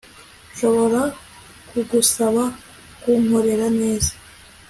Nshobora kugusaba kunkorera neza